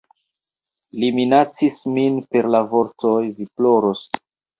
Li minacis min per la vortoj "Vi ploros!